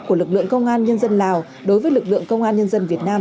của lực lượng công an nhân dân lào đối với lực lượng công an nhân dân việt nam